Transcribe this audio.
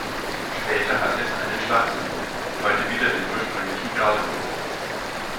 Später hatte es einen schwarzen Rumpf, heute wieder den ursprünglichen grauen Rumpf.